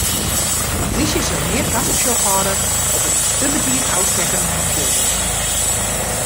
De plysje sil mear tafersjoch hâlde op it te betiid ôfstekken fan fjoerwurk.